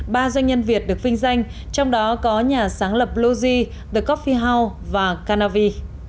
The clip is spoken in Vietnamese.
ba doanh nhân việt được vinh danh trong đó có nhà sáng lập losey the coffee house và canavi